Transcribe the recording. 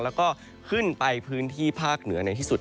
แล้วก็ขึ้นไปพื้นที่ภาคเหนือในที่สุด